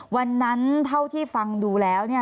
วันนั้นเท่าที่ฟังดูแล้วเนี่ย